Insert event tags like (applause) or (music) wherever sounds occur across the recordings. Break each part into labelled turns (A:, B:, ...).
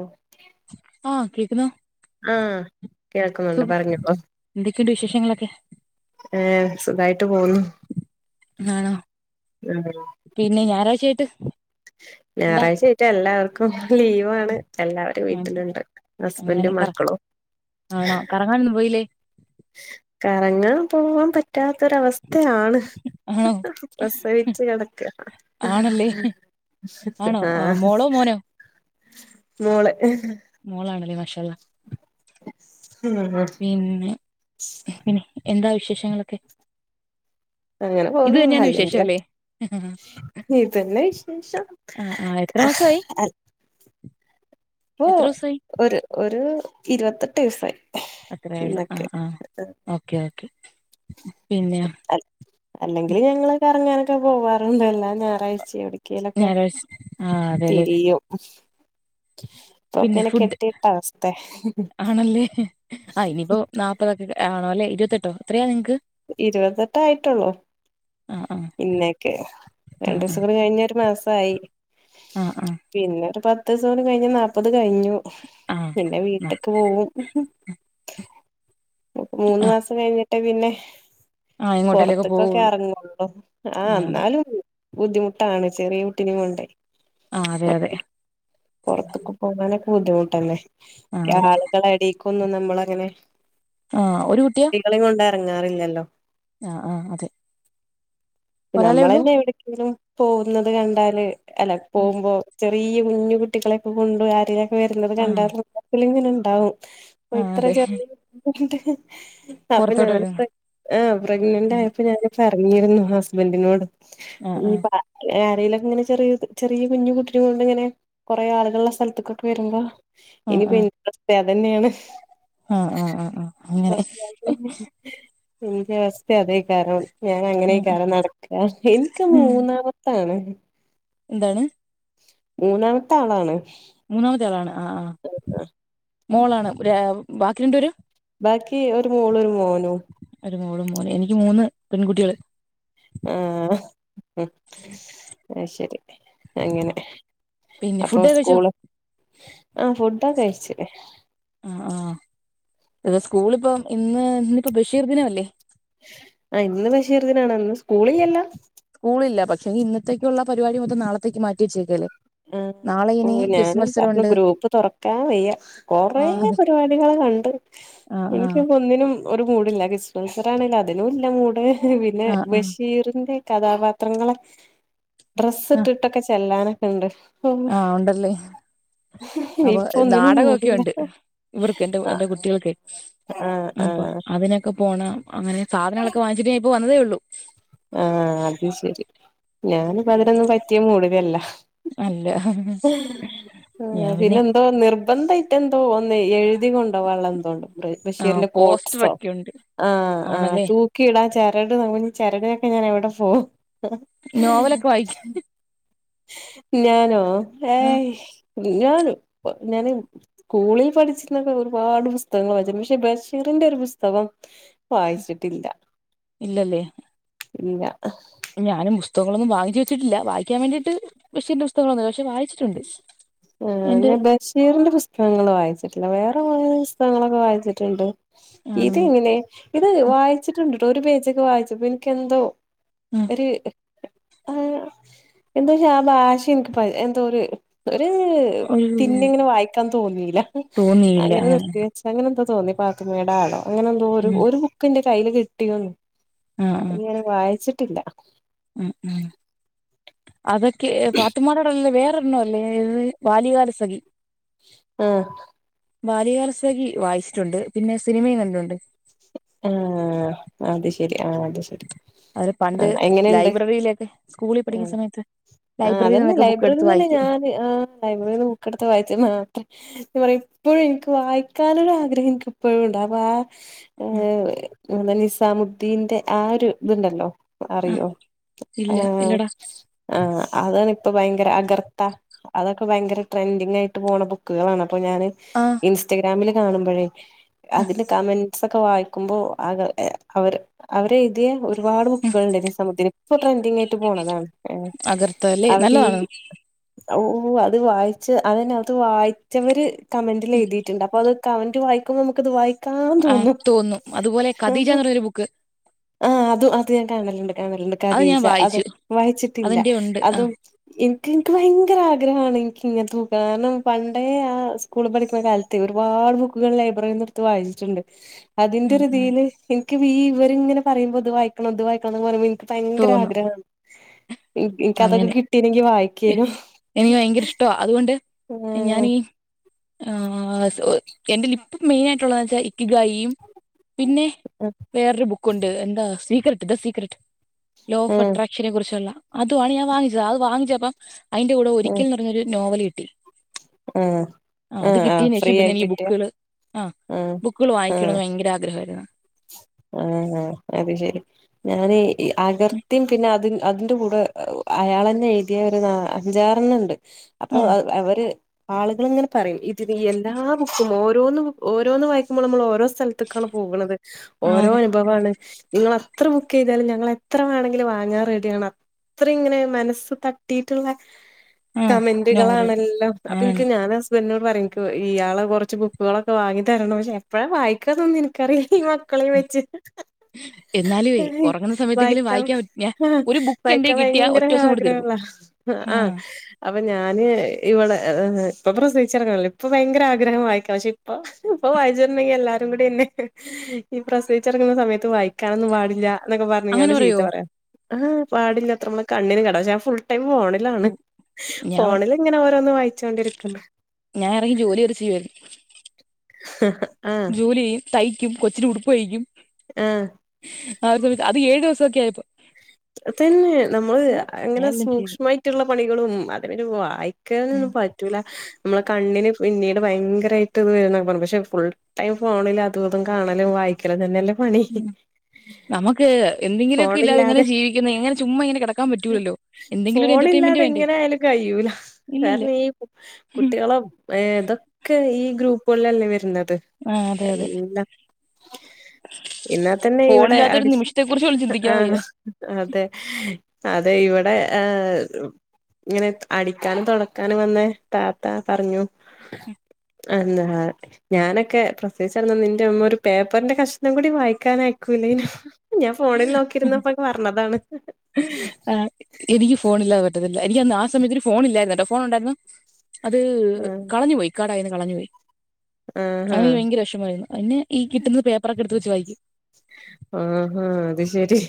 A: ഓഹ്
B: ആഹ് കേക്കുന്നു
A: ആഹ് കേക്കുന്നുണ്ട്
B: സുഖം
A: പറഞ്ഞപ്പോോ
B: എന്തൊക്കെയുണ്ട് വിശേഷങ്ങളൊക്കെ
A: ഏഹ് സുഖായിട്ട് പോവുന്നു
B: ആണോ പിന്നെ ഞറാച്ചായിട്ട്
A: ഞായറാഴ്ച ആയിട്ട് എല്ലാവർക്കും ലീവണ് എല്ലാവരും
B: ഉം
A: വീട്ടിനുണ്ട്
B: അങ്ങനെ
A: ഹസ്ബൻഡും
B: കറ
A: മക്കളും
B: ആണോ കറങ്ങാനൊന്നും പോയില്ലേ
A: കറങ്ങാൻ പോവാൻ പറ്റാത്തൊരവസ്ഥയാണ്
B: ആണോ
A: പ്രസവിച്ചു കിടക്ക
B: ആണല്ലേ ആണോ
A: ആഹ്
B: മോളോ മോനോ
A: മോളെ
B: മോളാണല്ലേ മാഷാഅല്ല
A: ഉം ഉം
B: പിന്നെ പിന്നെ എന്താ വിശേഷങ്ങളൊക്കെ
A: അങ്ങനെ
B: ഇത്
A: പോകുന്നു
B: തന്നെയാണ് വിശേഷം
A: അല്ലെങ്കില
B: അല്ലേ ആഹ്
A: ഇതന്നേ വിശേഷം
B: ആഹ് എത്ര മാസമായി
A: അപ്പൊ
B: എത്ര ദിവസമായി
A: ഒരു ഒരു ഇരുപത്തെട്ട് ദിവസായി
B: അത്രയേള്ളൂ ആ
A: ഇന്നൊക്കെ
B: ആ ഓക്കെ ഓക്കെ പിന്നെ
A: അൽ അല്ലെങ്കിൽ ഞങ്ങള് കറങ്ങാനൊക്കെ പോവാറുണ്ട എല്ലാ ഞായറാഴ്ചയ അവിട ക്കേലൊക്കെ
B: ഞായറാഴ്ച ആഹ് അതെല്ലേ
A: തിരിയും
B: പിന്നെ
A: ഇപ്പൊക്കെന്നെ
B: ഫുഡ്
A: കെട്ടിയിട്ട അവസ്ഥേ
B: ആണല്ലേ ആഹ് ഇനിയിപ്പോ നാല്പ്പതൊക്കെ ആണോ അല്ലെ ഇരുപത്തെട്ടോ എത്രയാ നിങ്ങക്ക്
A: ഇരുപത്തെട്ട് ആയിട്ടൊള്ളൂ
B: ആഹ് ആഹ്
A: ഇന്നേക്ക്
B: ആഹ് ആഹ്
A: രണ്ടീസം കൂടി കഴിഞ്ഞാ ഒരു മാസായി
B: ആഹ് ആഹ്
A: പിന്നെ ഒരു പത്ത്സം കൂടി കഴിഞ്ഞ നാല്പത് കഴിഞ്ഞു
B: ആഹ്
A: പിന്നെ
B: ആഹ്
A: വീട്ട്ക്ക് പോവും അപ്പൊ മൂന്ന്
B: ആഹ്
A: മാസം കഴിഞ്ഞിട്ടേ പിന്നെ
B: ആഹ് എങ്ങോട്ടേലൊക്കെ
A: പൊർത്ത്ക്കൊക്കെ
B: പോവുള്ളൂ
A: എറങ്ങൊള്ളൂ ആഹ് എന്നാലും ബുദ്ധിമുട്ടാണ് ചെറിയ കുട്ടിനിം കൊണ്ടേ
B: ആഹ് അതെ അതെ
A: പൊറത്ത്ക്ക് പോകാനൊക്കെ ബുദ്ധിമുട്ടല്ലേ
B: ആഹ്
A: ഈ
B: അതെ
A: ആള്കളെ എടേക്കൊന്നും നമ്മൾ അങ്ങനെ
B: ആഹ് ഒരു കുട്ടിയാ
A: കുട്ടികളെം കൊണ്ട് എറങ്ങാറില്ലല്ലോ
B: ആഹ് ആഹ് അതെ
A: പ്പ
B: ഒരാളെ ഉള്ളൂ
A: നമ്മളന്നെ എവിടെക്കെങ്കിലും പോകുന്നത് കണ്ടാല് അല്ല
B: ഉം
A: പോകുമ്പോ ചെറിയ കുഞ്ഞു കുട്ടികളെൊക്കെ കൊണ്ടു ആരേലൊക്കെ വരുന്നത് കണ്ടാ
B: ആഹ്
A: (unintelligible) ഇങ്ങനെ ഇണ്ടാവും ഓഹ്
B: ആഹ്
A: ഇത്ര
B: അതെ
A: ചെറിയ (inaudible) കൊണ്ട് അപ്പൊ
B: പുറത്തോട്ട്
A: ഞാന്
B: വരുന്നു
A: പ്ര ആഹ് പ്രഗ്നന്റ്
B: ഉം
A: ആയപ്പോ ഞാൻ പറഞ്ഞിരുന്നു ഹസ്ബന്റിനോട്
B: ആഹ് ആഹ്
A: ഇഞ്പ്പ ആ ഏഹ് ആരേലൊക്ക ഇങ്ങനെ ചെറിയത് ചെറിയ കുഞ്ഞു കുട്ടിനിം കൊണ്ട് ഇങ്ങനെ കൊറേ ആളുകള് ഇള്ള സ്ഥല്ത്ത്ക്കൊക്കെ വരുമ്പോ
B: ആഹ്
A: ഇനിപ്
B: ആഹ്
A: ഇന്റെ അവസ്ഥ അതന്നെയാണ്
B: ആഹ് ആഹ് ആഹ് ആഹ് അങ്ങനെ
A: കൊറച്ച് കാലത്ത്ന് ഇഞ് ഇന്റെ അവസ്ഥ അതെയ്കാരം ഞാൻ അങ്ങനെ
B: ഉം
A: എയ്ക്കാരം നടക്കാ ഇൻക്ക്
B: ഉം
A: മൂന്നാമത്താണ്
B: എന്താണ്
A: മൂന്നാമത്തെ ആളാണ്
B: മൂന്നാമത്തെ ആളാണ് ആഹ് ആഹ് മോളാണ് ഏ ബാക്കി രണ്ട് പേരും
A: ബാക്കി ഒരു മോളു ഒരു മോനും
B: ഒരു മോളും മോനും എനിക്ക് മൂന്ന് പെൺകുട്ടികള്
A: ആഹ് അയ്ശരി അങ്ങനെ
B: പിന്നെ
A: അപ്പൊ
B: ഫുഡൊക്കെ കഴിച്ചോ
A: സ്കൂള് ആഹ് ഫുഡൊക്കെ കഴിച്ച്ണ്
B: ആഹ് ആഹ് ഇത് സ്കൂളിപ്പം ഇന്ന് ഇന്നിപ്പോ ബഷീർ ദിനമല്ലേ
A: ആഹ് ഇന്ന് ബഷീർദിനാണോ ഇന്ന് സ്കൂള് ഇല്ലല്ലാ
B: സ്കൂളില്ല പക്ഷെ ഇന്നത്തേക്കുള്ള പരിപാടി മൊത്തം നാളത്തേക്ക് മാറ്റി വെച്ചേക്കല്ലേ
A: ആഹ്
B: നാളെ ഇനി
A: ഓഹ്
B: ക്വിസ്
A: നേരം പ അപ്പൊ
B: മത്സരമുണ്ട്
A: ഗ്രൂപ്പ് തൊറക്കാൻ വയ്യ കൊറേ
B: ആഹ്
A: പരിപാടികള് കണ്ട്
B: ആഹ് ആഹ്
A: എനിക്ക്പ്പൊ ഒന്നിനും ഒരു മൂടില്ല കിസ്ട്ടൻസറാണേലും അതിനും ഇല്ല മൂട് പിന്നെ
B: ആഹ് ആഹ്
A: ബഷീറിന്റെ കഥാപാത്രങ്ങളെ ഡ്രസ്സ്
B: ആഹ്
A: ഇട്ടിട്ടൊക്കെ ചെല്ലാനൊക്കെഇണ്ട്
B: ആഹ് ഒണ്ടല്ലേ അപ്പ
A: ഇപ്പൊ ഒന്നിനും മൂടില്ല
B: നാടകോക്കെയൊണ്ട്. ഇവർക്ക് എന്റെ
A: ആഹ്
B: എന്റെ കുട്ടികൾക്കെ
A: ആഹ്
B: അപ്പൊ
A: ആഹ്
B: അതിനൊക്കെ പോണം അങ്ങനെ സാധനങ്ങളൊക്കെ വാങ്ങിച്ചിട്ട് ഞാൻ ഇപ്പൊ വന്നതേ ഉള്ളൂ.
A: ആഹ് അത് ശരി ഞാനിപ്പം അതിനൊന്നും പറ്റിയ മൂടിലല്ല.
B: അല്ല ഞാൻ
A: ആഹ്
B: പിന്നെ
A: പിന്നെന്തോ നിർ വന്തൈറ്റെന്തോ ഒന്ന് എഴ്തി കൊണ്ടോവാള്ള എന്തോണ്ട്
B: ആഹ്
A: ബഷീറിന്റെ കോട്സോ
B: പോസ്റ്ററൊക്കെ ഉണ്ട്
A: ആഹ് ആഹ്
B: ആണല്ലേ
A: അത് കിടാൻ ചരട് നുഞ്ഞ് ചെരടിനൊക്കെ ഞാൻ എവിടെ പോവും
B: നോവലൊക്കെ വായിക്ക്‌
A: ഞാനോ
B: ആഹ്
A: ഏഹ് ഞാന് ഞാന് സ്കൂളിൽ പഠിച്ചിരുന്നൊക്കെ ഒരുപാട് പുസ്തകങ്ങൾ വായിച്ചരുന്നു പക്ഷെ ബഷീറിന്റെ ഒരു പുസ്തകം വായിച്ചിട്ടില്ല
B: ഇല്ലല്ലേ
A: ഇല്ല
B: ഞാനും പുസ്തകങ്ങളൊന്നും വാങ്ങിച്ച് വെച്ചിട്ടില്ല വായിക്കാൻ വേണ്ടിട്ട് ബഷീറിന്റെ പുസ്തകങ്ങളൊന്നും പക്ഷെ വായിച്ച
A: ആഹ് ഞാൻ ബഷീറിന്റെ ബുസ് പുസ്തകങ്ങള് വായിച്ചിട്ടില്ല വേറെ പുസ്തകങ്ങളൊക്കെ വായിച്ചിട്ടിണ്ട് ഇത്
B: ആണല്ലേ
A: ഇങ്ങനെ ഇത്
B: ഉം
A: വായിച്ചിട്ടുണ്ട്ട്ടോ ഒരു പേജൊക്കെ വായിച്ചപ്പോ എനിക്ക് എന്തോ
B: ഉം
A: ഒര് ആഹ് എന്താ ആ ഭാഷ എനിക്കിപ്പ എന്തോ ഒര് ഒര്
B: ഒരു
A: പിന്നെങ്ങനെ വായിക്കാൻ തോന്നിയില്ല അങ്ങനെ നിർത്തിയ അങ്ങനെന്തോ തോന്നി പാത്തുമ്മേടെ ആടോ അങ്ങനെ എന്തോരു
B: ഉം
A: ഒരു ബുക്ക് ഇന്റെ കയ്യില് കിട്ടീകണ്.
B: ആഹ് ആഹ്
A: ഇങ്ങനെ വായിച്ചട്ടില്ല.
B: ഉം ഉം അതക്കെ പാത്ത്മ്മാടെ ആടല്ല വേറൊരണ്ണം അല്ലേ ഇത് ബാല്യകാലസഖി.
A: ആഹ്
B: ബാല്യകാലസഖി വായിച്ചിട്ടുണ്ട് പിന്നെ സിനിമയും കണ്ടിട്ടൊണ്ട്.
A: ആഹ് അത് ശരി ആഹ് അത് ശ
B: അതോലെ പണ്ട് ലൈബ്രറിയിലൊക്കെ സ്കൂളി
A: ആ
B: പഠിക്കുന്ന സമയത്ത്.
A: ആഹ്
B: ലൈബ്രറിയിൽ
A: അതന്നെ
B: നിന്നൊക്കെ ബുക്ക് എടുത്ത്
A: ലൈബ്രറീന്ന് തന്നെ
B: വായിക്കും
A: ഞാൻ ആ ലൈബ്രറീന്ന് ബുക്കെടുത്ത് വായിച്ച് മാത്രെ പറയും ഇപ്പോഴും എനിക്ക് വായിക്കാനൊരു ആഗ്രഹം എനിക്ക് ഇപ്പോഴും ഉണ്ട്. അപ്പൊ ആഹ് ഏഹ് ന നിസാമുദ്ദീന്റെ ആ ഒര് ഇതുണ്ടല്ലോ?
B: ആഹ്
A: അറിയോ
B: ഇല്ല
A: ആഹ്
B: ഇല്ലടാ
A: ആഹ് അതാണ് ഇപ്പൊ ഭയങ്കര അഗർത്ത. അതൊക്കെ ഭയങ്കര ട്രെൻഡിങ് ആയിട്ട് പോണ ബുക്കുകളാണ് അപ്പൊ ഞാന്
B: ആഹ്
A: ഇൻസ്റ്റഗ്രാമില് കാണുമ്പഴേ അതില് കമന്റ്സ്ക്കെ വായിക്കുമ്പോ ആകെ അഹ് അവര് അവരെ എഴുതി ഒരുപാട് ബുക്കുകൾണ്ട് സമ ഇപ്പൊ ട്രെൻഡിങ് ആയിട്ട് പോണതാണ്.
B: അഗർത്തൊവല്ലേ നല്ലതാണോ
A: ഔ അത് വായിച്ച് അതിന്നകത്ത് വായിച്ചവര് കമന്റിലെഴുതീട്ടിണ്ട്. അപ്പൊ അത് കമന്റ് വായിക്കുമ്പോ നമക്കത് വായിക്കാം.
B: ആഹ് തോന്നും അതുപോലെ കദീജാന്ന് പറയുന്നൊരു ബുക്ക്.
A: ആഹ് അതും അത് ഞാൻ കാണലുണ്ട് കാണലുണ്ട്
B: അത് ഞാൻ
A: കദിജ അത്
B: വായിച്ചു
A: വായിച്ചിട്ടില്ല.
B: അതിന്റെ ഉണ്ട്
A: അതും
B: ആഹ്
A: ഇൻക്ക് ഇൻക്ക് ഭയങ്കര ആഗ്രഹമാണ് ഇൻക്ക്ങ്ങനെ ബുക്കള് കാരണം പണ്ടേ ആഹ് സ് കൂള് പഠിക്ക്ന്ന കാലത്തെ ഒരുപാട് ബുക്കുകൾ ലൈബ്രറിയിന്ന് എട് ത്ത് വായിച്ചിട്ടുണ്ട് അതിന്റെ
B: ഉം ഉം
A: ഒരുതീൽ ഇൻക്ക് ഈ ഇവരി ഇങ്ങനെ പറയുമ്പോ ഇത് വായിക്കണം ഇത് വായിക്കണം ന്ന് പറയുമ്പം ഇൻ ഭയങ്കര
B: തോന്നും
A: ആഗ്രഹാണ്
B: അങ്ങനെ
A: വായിക്കേനു
B: എനിക്ക് ഭയങ്കര ഇഷ്ടവാ അതുകൊണ്ട് ഞാനീ
A: ആ
B: ആഹ് എന്റെയ്ല് ഇപ്പം മെയിനാ യിട്ടുള്ളത വെച്ചാ ഇക്ക് ഗയും പിന്നെ
A: ആഹ്
B: വേറൊരു ബുക്കുണ്ട് എന്താ സീക്രറ്റ് ത സീക്രറ്റ് ലോ ഓഫ്
A: ഉം
B: അട്രാക്ഷനെ കുറിച്ചുള്ള അതോ അത് ഞാൻ വാങ്ങിച്ചതാ അത് വാങ്ങിച്ചപ്പം അയിന്റെ കൂടെ
A: ഉം
B: ഒരിക്കൽ ന്ന് പറഞ്ഞൊരു നോവൽ കിട്ടി
A: ഉം
B: ആഹ്
A: ഉം
B: അത്
A: ആ
B: കിട്ടെയ്ന്
A: ഫ്രീ
B: ശേഷം പിന്നെ
A: ആയിട്ട്
B: ആണീ
A: കിട്ടിയ
B: ബുക്കള് ആഹ്
A: ഉം
B: ബുക്കുകൾ വായിക്കണം ന്ന് ഭയങ്കര ആഗ്രഹായിരുന്നു
A: ആഹ് അത് ശരി ഞാനെ ഈ അകർത്തിം പിന്നെ അതി അതിന്റെ കൂടെ അയാളെന്നെ എഴ് തിയ ഒരു നാ അഞ്ചാറെണ്ണണ്ട് അപ്പൊ
B: ആ
A: അവര് ആളുകളിങ്ങനെ പറയും ഇത്നീ എല്ലാ ബുക്കും ഓ രോന്ന് ബു ഓരോന്ന് വായിക്കുമ്പളും നമ്മൾ ഓരോ സ്ഥലത്ത്ക്കാണ് പോക്ണത്
B: ആ
A: ഓരൊ
B: അതെ
A: ഞ സംഭവാണ് നിങ്ങൾ എത്ര ബുക്ക് യ്താലും ഞങ്ങളെ ത്ര വേണലും വാങ്ങാൻ റെഡിയാണ് അത്ര ഇങ്ങനെ മനസ്സ് തട്ടിയിട്ടുള്ള
B: ആ നോവല്
A: കമന്റുകളാണ് ല്ലാം അപ്പൊ
B: ആണ്
A: എനിക്ക് ഞൻ ഹസ് ബന്റ്ന്നോട് പറയും ഇയാളള് കുറച്ച് ബുക്കുകളൊക്കെ വാങ്ങി തരണം പക്ഷെ എപ്പോഴാ വായിക്കാതൊന്നും എനിക്കറിയില്ല മക്കളെയും വെച്ച്
B: എന്നാലുവേ ഉറങ്ങുന്ന സമയത്തെങ്കിലും
A: വായിക്കാം
B: വായിക്കാൻ പറ്റും. ഞാൻ ഒരു ബുക്ക് എന്റെ
A: വായിക്കം
B: കയ്യിൽ കിട്ടിയാ
A: ഭയങ്കര
B: ഒറ്റ ദിവസം കൊണ്ട്
A: ആഗ്രഹം
B: തീർക്കും
A: ങ്ങളാ
B: ആ
A: ആഹ് അപ്പൊ ഞാന് ഇവളെ ഇപ്പൊ പ്രസവിച്ചെടക്കണല്ലോ ഇപ്പൊ ഭയങ്കര ആഗ്രഹവായിക്കാൻ പക്ഷെ ഇപ്പൊ ഇപ്പൊ വായിച്ചിട്ട് ഉണ്ടെങ്കി എല്ലാരും കൂടി എന്നെ ഈ പ്രസവിച്ചടക്ക് ണ സമയത്ത് വായിക്കാനൊന്നും പാടില്ല എന്നക്കെ
B: അങ്ങനെ
A: പറഞ്ഞങ്ങാണ്ട് ചീത്ത
B: പറയോ
A: പറയാ ആഹ് പാടില്ല ത്ര നമ്മള് കണ്ണിന് കേ ട പശ്ശെ ഞാൻ ഫുൾ ടൈം ഫോണി ലാണ്
B: ഉം, ഞാൻ
A: ഫോണിലി ങ്ങനെ ഓരോന്നും വായിച്ചോണ്ടിരിക്കണ്ട്
B: ഞാന് ഇറങ്ങി ജോലിവരെ ചെയുവായിരുന്നു
A: ഹ്ഹഹ
B: ജോലി തയ്ക്കും കൊച്ചിന് ഉടുപ്പ് തയ്ക്കും
A: ആഹ്
B: (unintelligible) അത് ഏഴ് ദിവസൊക്കെ ആയപ്പെ
A: തന്നെ നമ്മള് അങ്ങനെ
B: ഞാൻ എല്ലാം ചെയ്തു
A: സൂക്ഷ്മായിട്ടുള്ള പണികളും അതിനൊരു വായി
B: ഉം
A: ക്കാനൊന്നും പറ്റൂല നമ്മളെ കണ്ണിന് പിന്നീട് ഭയങ്കരമായിട്ട് ഇത് വരും പക്ഷെ ഫുൾ ടൈം ഫോണിൽ അതു ഇതും കാണാലും വായി ക്കലും തന്നല്ലേ പണി
B: നമുക്ക് എന്തെങ്കിലുമൊക്കെ ഇല്ലാതെങ്ങനെ
A: ഫോണില്ലാതെ
B: ജീവിക്കുന്ന എങ്ങനെ ചുമ്മങ്ങനെ കിട
A: ഫോണില്ലാതെ എങ്ങനെ ആയാലും കഴൂല വേറെ
B: ഇല്ലില്ല
A: ഈ കുട്ടികളുംഏതൊക്കെ ഈ ഗ്രൂപ്പുകളിലല്ലേ വരുന്നത്
B: ആഹ് അതെ അതെ
A: എല്ലാം ഇന്നാ തന്നെ ഇവിടെ
B: ഫോണില്ലാത്തൊരു
A: അടി
B: നിമിഷത്തെ കുറിച്ച് പോലും
A: ഹ
B: ചിന്തിക്കാൻ വയ്യ
A: ആഹ് അതെ അതെ ഇവിടെ ആഹ് ഇങ്ങനെ അടിക്കാനും തൊടക്കാനും വന്ന താത്ത പറഞ്ഞു അന്താ ഞാനൊക്കെ പ്രസവിച്ചെടന്നന്ന് നിന്റെ ഉ മ്മ ഒരു പേപ്പറിന്റെ കഷ്ണം കൂടി വായിക്കാനയക്കൂല്ലർന്നു ഞാൻ ഫോണിൽ നോക്കിരുന്നപ്പോ പറഞ്ഞതാണ്
B: ആഹ് എനിക്ക് ഫോൺ ഇല്ലാത പറ്റത്തില്ല എനിക്കന്ന് ആ സമയത്തിൽ ഫോണില്ലായിരുന്ന ട്ടോ ഫോൺ ഉണ്ടായിരുന്നു അത്
A: ആഹ്
B: കളഞ്ഞു പോയി ഇ ക്കാടെ കയിന്ന് കളഞ്ഞു പോയി
A: ആഹാ
B: അയില് ഭയങ്കര വെഷ് മായിരുന്നു പിന്നെ ഈ കിട്ടുന്ന പേപ്പറൊക്കെ എടുത്ത് വച്ച് വായിക്കും
A: ആഹ് ഹ അത് ശരി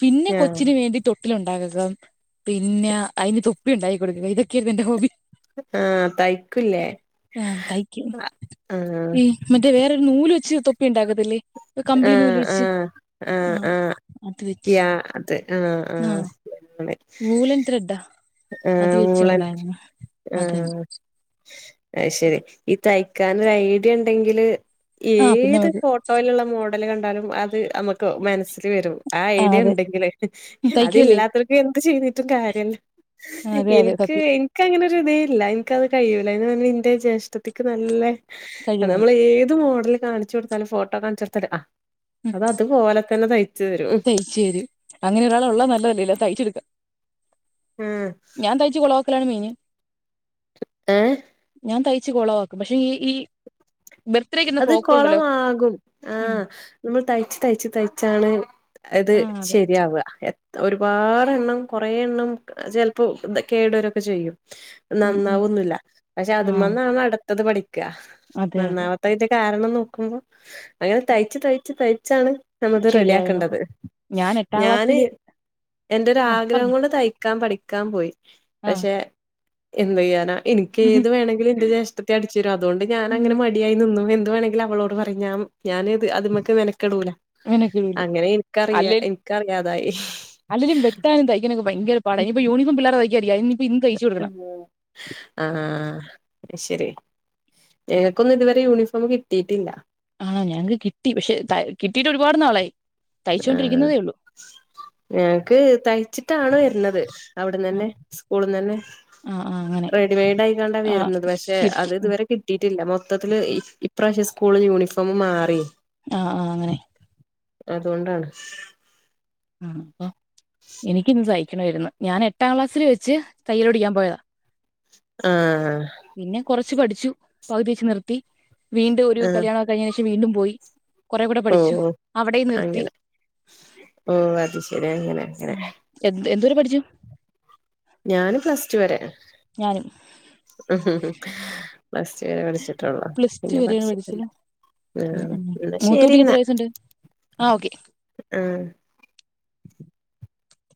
B: പിന്നെ
A: ആഹ്
B: കൊച്ചിന് വേണ്ടി തൊ ട്ടിലൊണ്ടാക പിന്നെ അതിന് തൊപ്പി ഉണ്ടാക്കി കൊടുക്കും ഇതൊക്കെയായിരുന്നു എന്റെ ഹോബി
A: ആഹ് തയ്ക്കൂല്ലേ
B: ആഹ് തയ്ക്കും
A: ആഹ്
B: ഈ മറ്റേ വേറൊരു നൂല് വെച്ച് തൊപ്പി ഉണ്ടാക്കത്തില്ലേ ഇ കമ്പിളി നൂല്
A: ആഹ്
B: വെച്ച് ആ അത് വെ
A: ക്യാ അത് ആഹ് ആഹ് കമ്പിളി
B: നൂലും ത്രെഡാ അത്
A: ആഹ് ബൂളൻ
B: വെച്ചുണ്ടായിരുന്നു അതന്നെ
A: ആഹ് അയ് ശരി ഈ തയ്ക്കാനൊരു ഐഡിയ ഉണ്ടെങ്കില്
B: ആഹ് പിന്നെ
A: ഏത്
B: നമുക്ക്
A: ഫോ ട്ടോയിലുള്ള മോഡല് കണ്ടാലും അത് നമുക്ക് മനസ്സിൽ വരും ആ
B: ആഹ്
A: ഐഡിയ
B: അതെ
A: ഉണ്ടെങ്കില്
B: തയ്ക്കുവല്ലേ
A: അതില്ലാത്തവർക്ക് എന്ത് ചെയ്തിട്ടും കാര്യല്ല
B: ആഹ് അതെ അതെ
A: എനിക്ക്
B: സത്യം
A: എനി ക്ക്അങ്ങനെ ഒരു ഇതേ ഇല്ല എനിക്കത് കഴിയൂല അതിനെന്നെ ഇന്റെ ജ്യേഷ്ഠത്തിയ്ക്ക് നല്ല അ
B: കഴിവാണ്
A: നമ്മൾ ഏത് മോഡല് കാണിച്ചു കൊടുത്താലും ഫോട്ടോ കാണിച്ചൊടുത്താലും
B: ഉം
A: അഹ് അതുപോലെ തന്നെ തയ്ച്ചു തരും
B: തയ്ച്ചു തരും അങ്ങനെ ഒരാളെ ഉള്ള നല്ലതല്ലെ തയ്ച്ചെടുക്ക
A: ആഹ്
B: ഞാൻ തയ്ച്ച കുളവാക്കലാണ് മൈന്
A: ഏഹ്
B: ഞാൻ തയ്ച്ച് കൊളവാക്കും പക്ഷെ ഈ ഈ ബർത്ത്ഡേക്ക് ഇടുന്ന
A: അത്
B: ഫ്രോക്കുകളുണ്ടല്ലോ
A: കൊളമാകും
B: ഉം
A: ആഹ്. നമ്മൾ തയ്ച്ച് തയ്ച്ച് തയ്ച്ചാണ് അത്
B: ആഹ് അതെ
A: ശരിയാവുക. ഒരുപാടെണ്ണം കൊറെ എണ്ണം ചിലപ്പോ കേടുവരൊക്കെ ചെയ്യും.
B: ഉം ഉം
A: നന്നാവൊന്നുമില്ല പക്ഷെ അത്
B: ആഹ്
A: മ്മന്നാണ് അടുത്തത് പഠിക്കുക
B: അതെ അതെ
A: നന്നാവാ. തിന്റെ കാരണം നോക്കുമ്പോ അങ്ങനെ തയ്ച്ച് തയ്ച്ച് തയ്ച്ചാണ്. നമ്മത് റെഡി
B: ശരിയായിരുന്നു
A: ആക്കേണ്ടത്
B: ഞാൻ എട്ടാം
A: ഞാന്
B: ക്ലാസ്സില്
A: എന്റെ
B: ആഹ്
A: ഒരാഗ്രഹം
B: പറഞ്ഞോ
A: കൊണ്ട് തയ്ക്ക. ൻ പഠിക്കാൻ പോയി
B: ആഹ്
A: പക്ഷെ എന്ത് ചെയ്യാന. എനിക്കേത് വേണെങ്കിലും എന്റെ ജേഷ്ഠത്തി അടിച്ചരും അതുകൊണ്ട്
B: ഉം
A: ഞാനങ്ങനെ മടി. നിന്നും എന്ത് വേണെങ്കിൽ അവളോട് പറയും ഞാനത് മെനക്കെടൂല.
B: അങ്ങനൊക്കെ ഇടൂലേ
A: അങ്ങനെ എനിക്കറിയാ എനിക്കറിയാതായി
B: അല്ലങ്കിലു വെട്ടാനും തയ്ക്കാനൊക്കെ ഭയങ്ക പാട ഇനിപ്പോ യൂണഫോം പിള്ളേ തയ്ക്കാനിരിക്കാ. ഇന്ന് തയ്ച്ചു കൊടുക്കണം
A: ഉം ആഹ് ശരി. എനക്കൊന്നും ഇതുവരെ യൂണിഫോം കിട്ടിയിട്ടില്ല.
B: ആണോ ഞങ്ങക്ക് കിട്ടി പക്ഷെ കിട്ടയിട്ട് ഒരുപാട് നാളായി.
A: ആഹ്.
B: തയ്ച്ചുകൊണ്ടിരിക്കുന്നതേയുള്ളൂ.
A: ഞങ്ങക്ക് തയ്ച്ചിട്ടാണ് വരണത് അവിടന്ന്
B: ആ
A: തന്നെ സ്കൂള്ന്ന് തന്നെ.
B: ആ ആ, അങ്ങനെ
A: റെഡിമെയ്ഡ് ആയിക്കാണ്ടാ
B: ആ
A: വരുന്നത് പക്ഷെ
B: കിട്ടി
A: അത്
B: ഉം,
A: ഇതുവരെ. കിട്ടിയിട്ടില്ല മൊത്തത്തിലത്
B: കിട്ടി
A: ഇപ്രാവശ്യം സ്കൂള് യൂണിഫോം മാറി
B: ആ ആ അങ്ങനെ.
A: അതുകൊണ്ടാണ്.
B: ആ അപ്പൊ എനിക്കിന്ന് തയ്ക്കണമായിരുന്നു ഞാൻ എട്ടാം ക്ലാസ്സിൽ വെച്ച് തയ്ക്കൽ പഠിക്കാൻ പോയതാ.
A: ആഹ. ഉം.
B: പിന്നെ കുറച്ച് പഠിച്ചു പകുതി വെച്ച് നിർത്തി വീണ്ടും ഒരു
A: ആഹ്.
B: കല്യാണൊക്കെ കഴിഞ്ഞ ശേഷം വീണ്ടും പോയി. കുറെ കൂടെ പഠിച്ചു
A: ഓഹ്
B: അവിടെ നിർത്തി.
A: അങ്ങനെ. ഓ അത് ശെരി അങ്ങനെ അങ്ങനെ
B: എ എന്തുവരെ പഠിച്ചു.
A: ഞാന് പ്ലസ് ടു വരെ.
B: ഞാനും.
A: ഉ പ്ലസ്ടു വരെ പഠിച്ചിട്ടുള്ളു
B: പ്ലസ് ടു
A: പിന്നെ
B: വരെയാണ്
A: പഠിച്ചിട്ടില്ല.
B: പഠിച്ചത്
A: ആ എന്നാ ശരി
B: (inaudible)
A: ഉം